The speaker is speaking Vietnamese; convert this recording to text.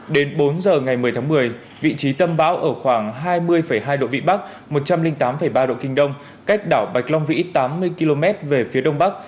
đến bốn giờ ngày một mươi tháng một mươi vị trí tâm bão ở khoảng hai mươi hai độ vị bắc một trăm linh tám ba độ kinh đông cách đảo bạch long vĩ tám mươi km về phía đông bắc